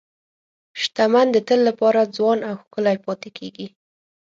شتمن د تل لپاره ځوان او ښکلي پاتې کېږي.